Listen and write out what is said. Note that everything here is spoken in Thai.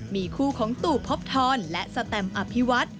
มีคู่ของตู่พบทรและสแตมอภิวัฒน์